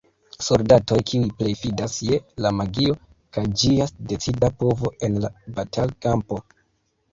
Soldatoj kiuj plej fidas je la magio kaj ĝia decida povo en la batal-kampo.